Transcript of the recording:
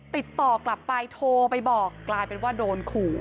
ติดต่อกลับไปโทรไปบอกกลายเป็นว่าโดนขู่